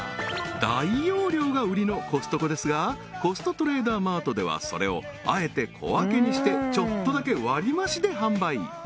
大容量が売りのコストコですがコストトレーダーマートではそれをあえて小分けにしてちょっとだけ割り増しで販売